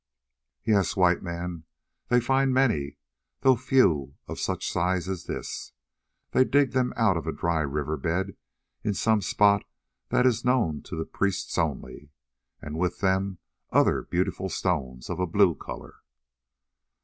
"Yes, White Man, they find many, though few of such a size as this. They dig them out of a dry river bed in some spot that is known to the priests only, and with them other beautiful stones of a blue colour."